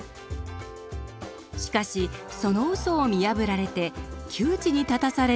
しかしそのうそを見破られて窮地に立たされるスズキくん。